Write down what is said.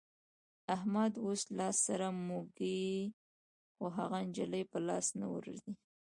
احمد اوس لاس سره موږي خو هغه نجلۍ په لاس نه ورځي.